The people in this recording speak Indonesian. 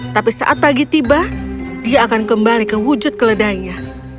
tapi saat pagi tiba dia akan kembali kewujud keledainya